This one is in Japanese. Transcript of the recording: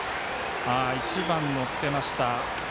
１番をつけました